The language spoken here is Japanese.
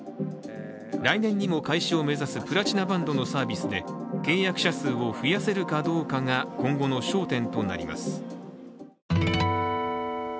来年にも開始を目指すプラチナバンドのサービスで、契約者数を増やせるかどうかが今後の焦点となります。